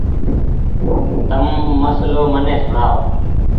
تم مسلو مني سوڻآئو۔